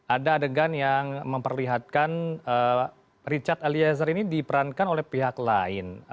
ada adegan yang memperlihatkan richard eliezer ini diperankan oleh pihak lain